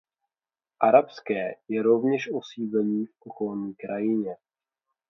Arabské je rovněž osídlení v okolní krajině.